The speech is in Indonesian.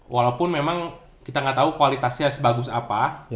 walaupun memang kita gak tau kualitasnya sebagus apa ya